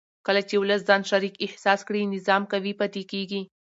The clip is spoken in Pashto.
کله چې ولس ځان شریک احساس کړي نظام قوي پاتې کېږي